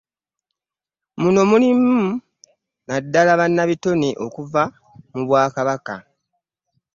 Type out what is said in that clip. Muno mulimu nnaddala bannabitone okuva mu bwakabaka